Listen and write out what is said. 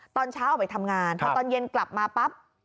ตอนเช้าออกไปทำงานพอตอนเย็นกลับมาปั๊บ